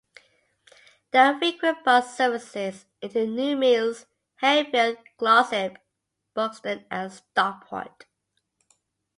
There are frequent bus services into New Mills, Hayfield, Glossop, Buxton and Stockport.